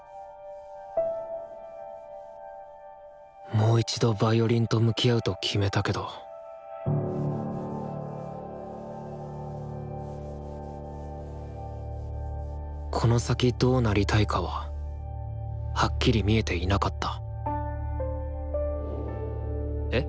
もう一度ヴァイオリンと向き合うと決めたけどこの先どうなりたいかははっきり見えていなかったえっ？